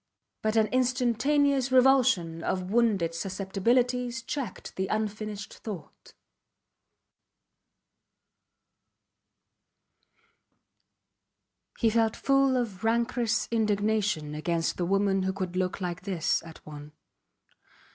but an instantaneous revulsion of wounded susceptibilities checked the unfinished thought. He felt full of rancorous indignation against the woman who could look like this at one.